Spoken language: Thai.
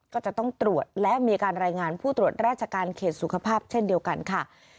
ก็จะต้องตรวจและมีการรายงานผู้ตรวจราชการเขตสุขภาพเช่นเดียวกันค่ะ